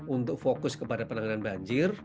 untuk fokus kepada penanganan banjir